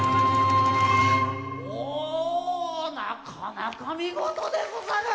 おぉなかなかみごとでござる！